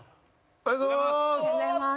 おはようございます。